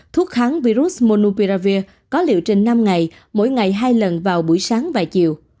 thuốc kháng virus monupiravir có liệu trình năm ngày mỗi ngày hai lần vào buổi sáng và chiều